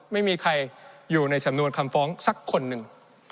ไม่มีใครอยู่ในสำนวนคำฟ้องสักคนหนึ่ง